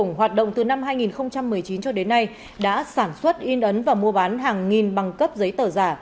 hoạt động từ năm hai nghìn một mươi chín cho đến nay đã sản xuất in ấn và mua bán hàng nghìn bằng cấp giấy tờ giả